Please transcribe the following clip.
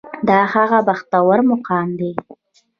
دا هغه بختور مقام دی.